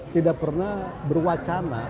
tidak pernah berwacana